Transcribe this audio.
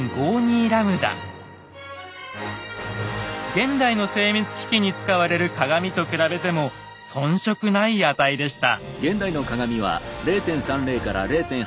現代の精密機器に使われる鏡と比べても遜色ない値でした。